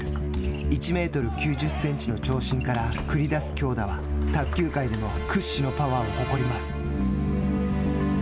１メートル９０センチの長身から繰り出す強打は卓球界でも屈指のパワーを誇ります。